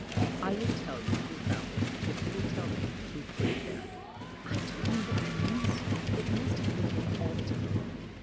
"I will tell you who found it, if you will tell me who put it there." "I don't know what you mean, sir. It must have been there all the time."